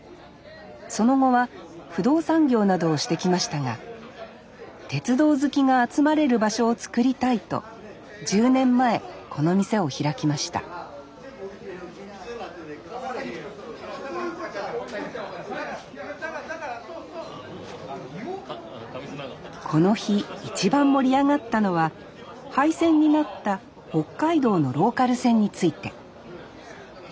その後は不動産業などをしてきましたが鉄道好きが集まれる場所を作りたいと１０年前この店を開きましたこの日一番盛り上がったのは廃線になった北海道のローカル線について。